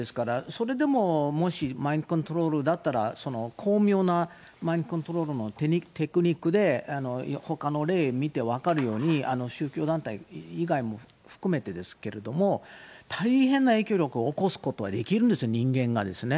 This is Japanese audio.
それでも、もしマインドコントロールだったら、巧妙なマインドコントロールのテクニックで、ほかの例を見て分かるように、宗教団体以外も含めてですけれども、大変な影響力を起こすことはできるんですよ、人間がですね。